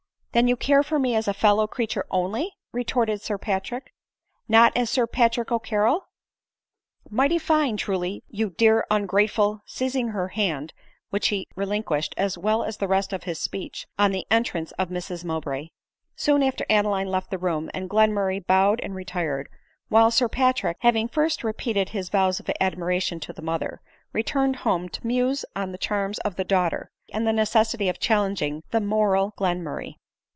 " Then you care for me as a fellow creature only," retorted Sir Patrick, " not as Sir Patrick CCarrol ? Mighty fine, truly, you dear ungrateful —" seizing her hand ; which he relinquished, as well as the rest of his speech, on the entrance of Mrs Mowbray. Soon after Adeline left the room, and Glenmurray bowed and retired ; while Sir Patrick, having first repeat ed his vows of admiration to the mother, returned home to muse on the charms of the daughter, and the necessi ty of challenging the moral Glenmurray.